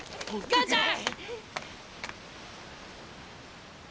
母ちゃん！